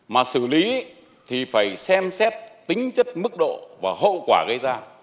mà xử lý thì phải xem xét tính chất mức độ và hậu quả gây ra